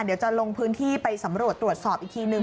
เดี๋ยวจะลงพื้นที่ไปสำรวจตรวจสอบอีกทีนึง